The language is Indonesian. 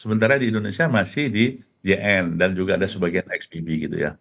sementara di indonesia masih di jn dan juga ada sebagian xpb gitu ya